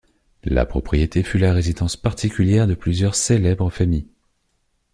La propriété fut la résidence particulière de plusieurs célèbres familles.